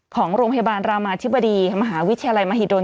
ของโรงพยาบาลรามาธิบดีมหาวิทยาลัยมหิดล